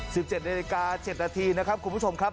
สิบเจ็ดนาฬิกาเจ็ดนาทีนะครับคุณผู้ชมครับ